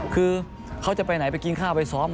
คือเขาจะไปไหนไปกินข้าวไปซ้อม